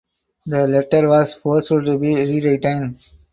The letter was forced to be rewritten.